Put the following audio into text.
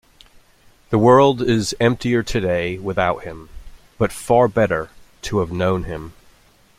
The world is emptier today without him, but far better to have known him.